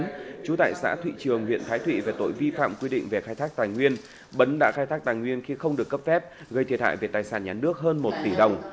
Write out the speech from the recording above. trú tại xã thụy trường huyện thái thụy về tội vi phạm quy định về khai thác tài nguyên bấn đã khai thác tài nguyên khi không được cấp phép gây thiệt hại về tài sản nhà nước hơn một tỷ đồng